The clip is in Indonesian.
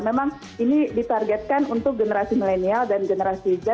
memang ini ditargetkan untuk generasi milenial dan generasi z